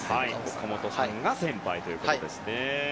岡本さんが先輩ということですね。